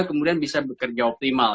kemudian bisa bekerja optimal